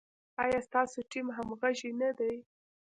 ایا ستاسو ټیم همغږی نه دی؟